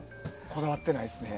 こだわってないですね。